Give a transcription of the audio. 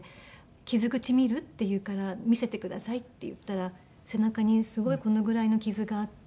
「傷口見る？」って言うから「見せてください」って言ったら背中にすごいこのぐらいの傷があって。